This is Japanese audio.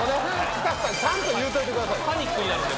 スタッフさんちゃんと言うといてくださいね。